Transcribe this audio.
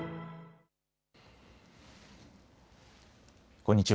こんにちは。